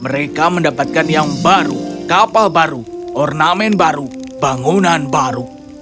mereka mendapatkan yang baru kapal baru ornamen baru bangunan baru